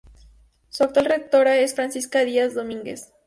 Su actual directora es Francisca Díaz Domínguez.